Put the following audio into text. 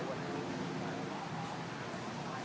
โปรดติดตามต่อไป